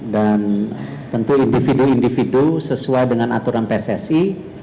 dan tentu individu individu sesuai dengan aturan pssi